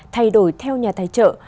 thay đổi theo nhà tài trợ